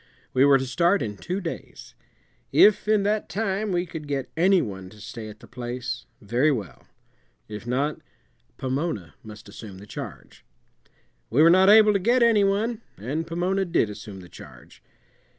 We were to start in two days. If in that time we could get any one to stay at the place, very well; if not, Pomona must assume the charge. We were not able to get any one, and Pomona did assume the charge.